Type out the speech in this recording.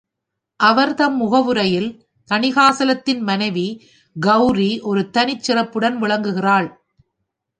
அவர் தம் முகவுரையில், தணிகாசலத்தின் மனைவி கெளரி ஒரு தனிச் சிறப்புடன் விளங்குகிறாள்.